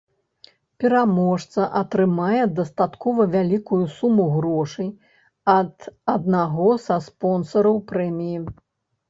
Пераможца атрымае дастаткова вялікую суму грошай ад аднаго са спонсараў прэміі.